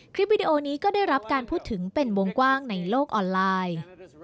วิดีโอนี้ก็ได้รับการพูดถึงเป็นวงกว้างในโลกออนไลน์